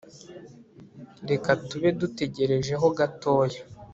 reka tube dutegereje ho gatoya